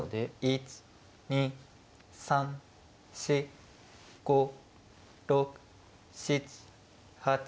１２３４５６７８９。